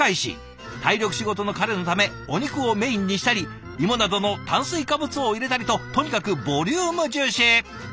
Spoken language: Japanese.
体力仕事の彼のためお肉をメインにしたり芋などの炭水化物を入れたりととにかくボリューム重視。